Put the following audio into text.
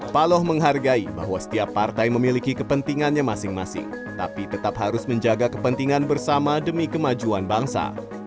paloh menghargai bahwa setiap partai memiliki kepentingannya masing masing tapi tetap harus menjaga kepentingan bersama demi kemajuan bangsa